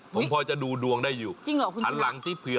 ยังยังอยากทำงานอยู่